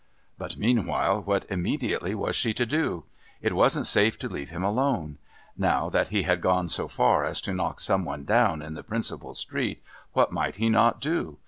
But meanwhile what immediately was she to do? It wasn't safe to leave him alone. Now that he had gone so far as to knock some one down in the principal street, what might he not do?